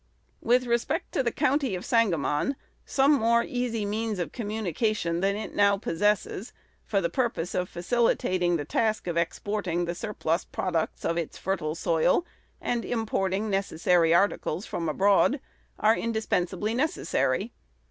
With respect to the County of Sangamon, some more easy means of communication than it now possesses, for the purpose of facilitating the task of exporting the surplus products of its fertile soil, and importing necessary articles from abroad, are indispensably necessary.